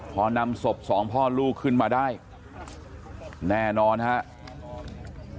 พอนำศพสองพ่อลูกขึ้นมาได้แน่นอนครับ